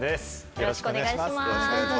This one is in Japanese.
よろしくお願いします。